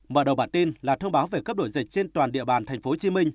mở đầu bản tin là thông báo về cấp đổi dịch trên toàn địa bàn tp hcm